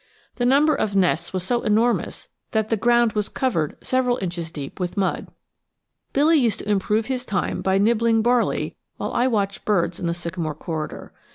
The number of nests was so enormous that the ground was covered several inches deep with mud. Billy used to improve his time by nibbling barley while I watched birds in the sycamore corridor.